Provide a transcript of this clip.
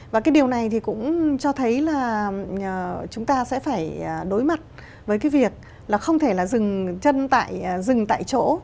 và cái điều này thì cũng cho thấy là chúng ta sẽ phải đối mặt với cái việc là không thể là dừng chân tại rừng tại chỗ